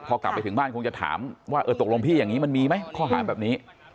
พอกลับไปถึงบ้านคงจะถามว่าเออตกลงพี่อย่างนี้มันมีไหมข้อหาแบบนี้